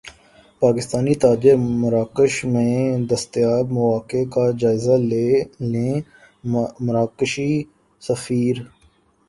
پاکستانی تاجر مراکش میں دستیاب مواقع کا جائزہ لیں مراکشی سفیر